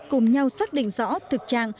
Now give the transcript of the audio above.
cùng nhau xác định rõ thực trạng